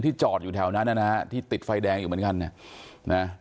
ที่จอดอยู่แถวนั้นนะที่ติดไฟแดงอยู่เหมือนกัน